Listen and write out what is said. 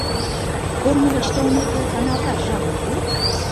— Корно гыч толмеке, каналташ жапым пу.